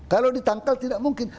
kalau ditangkal tidak mungkin